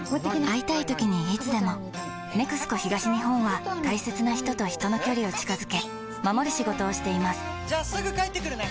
会いたいときにいつでも「ＮＥＸＣＯ東日本」は大切な人と人の距離を近づけ守る仕事をしていますじゃあすぐ帰ってくるね！